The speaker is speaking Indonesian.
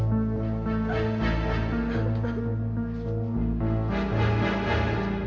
sebuah anugerah kamu harus melakukannya tak shouted